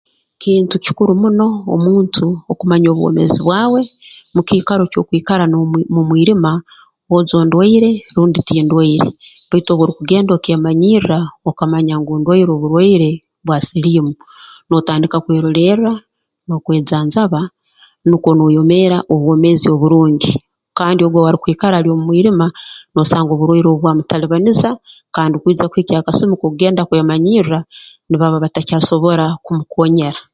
Kintu kikuru muno omuntu okumanya obwomeezi bwawe mu kiikaro ky'okwikara no mu mwirima boojo ndwaire rundi tindwaire baitu obu orukugenda okeemanyirra okamanya ngu ndwaire oburwaire bwa siliimu nootandika kwerolerra n'okwejanjaba nukwo nooyomeera obwomeezi oburungi kandi ogu owaarukwikara ali omu mwirima noosanga oburwaire obu bwamutalibaniza kandi kwija kuhikya akasumi k'okugenda kwemanyirra nibaba batakyasobora kumukoonyera